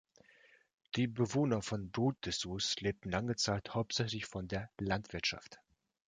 Die Bewohner von Brot-Dessous lebten lange Zeit hauptsächlich von der Landwirtschaft.